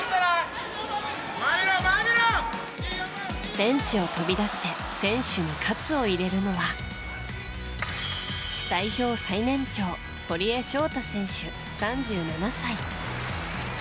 ベンチを飛び出して選手に活を入れるのは代表最年長堀江翔太選手、３７歳。